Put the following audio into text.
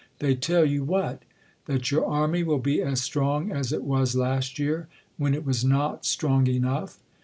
They tell you what ? That your army will be as strong as it was last year, when it was not strong enough.